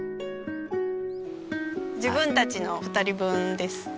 自分たちの２人分です。